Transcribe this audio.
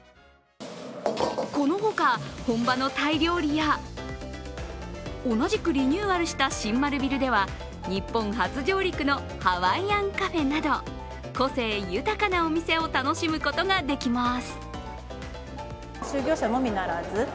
このほか、本場のタイ料理や同じくリニューアルした新丸ビルでは日本初上陸のハワイアンカフェなど、個性豊かなお店を楽しむことができます。